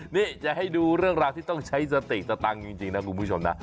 นี่จะให้ดูเรื่องราวที่ต้องใช้สติสตังค์จริงนะคุณผู้ชมนะ